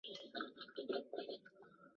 金洞县是越南兴安省下辖的一个县。